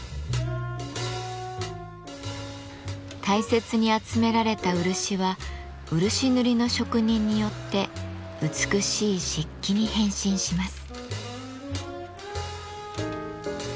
大切に集められた漆は漆塗りの職人によって美しい漆器に変身します。